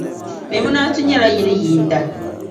Memunatu nyɛla yili yiinda .